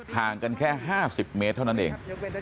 ห่างกันแค่๕๐เมตรเท่านั้นเอง